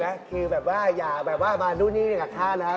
ราคนะคือแบบว่ายาแบบว่ามาตู้นึงกับท่านนะครับ